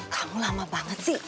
kamu lama banget sih